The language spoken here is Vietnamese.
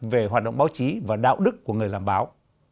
về hoạt động báo chí và đạo đức của người làm báo